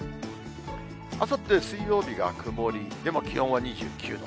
あさって水曜日が曇り、でも気温は２９度。